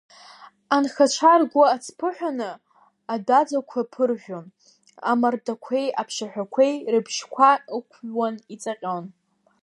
Анхацәа ргәы ацԥыҳәаны адәаӡақәа ԥыржәон, амардақәеи аԥшаҳәақәеи рыбжьқәа ықәҩуан, иҵаҟьон…